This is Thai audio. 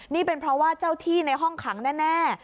นี่เป็นเพราะว่าเจ้าที่ในห้องขังแน่